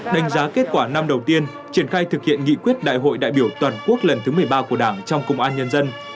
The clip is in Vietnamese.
đánh giá kết quả năm đầu tiên triển khai thực hiện nghị quyết đại hội đại biểu toàn quốc lần thứ một mươi ba của đảng trong công an nhân dân